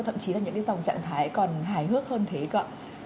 thậm chí là những dòng trạng thái còn hài hước hơn thế cậu ạ